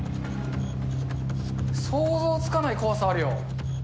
想像つかない怖さあるよ。